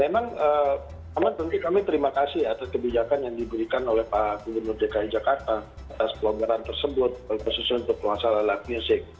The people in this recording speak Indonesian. memang tentu kami terima kasih atas kebijakan yang diberikan oleh pak gubernur dki jakarta atas pelonggaran tersebut khususnya untuk masalah live music